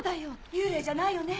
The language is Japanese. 幽霊じゃないよね。